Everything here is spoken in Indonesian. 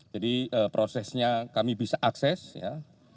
jadi prosesnya kami bisa akses ya